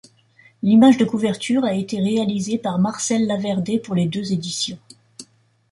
L'image de couverture a été réalisée par Marcel Laverdet pour les deux éditions.